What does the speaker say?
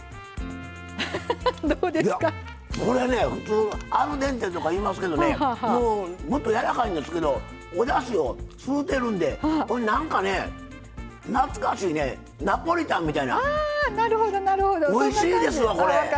これ、アルデンテとか言いますけどもっと、やわらかいんですけどおだしを吸うてるんでなんか、懐かしいナポリタンみたいな。